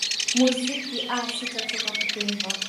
muziki aa sitachoka kukuimba